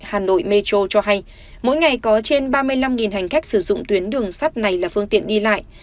hà nội metro cho hay mỗi ngày có trên ba mươi năm hành khách sử dụng tuyến đường sắt này là phương tiện đi lại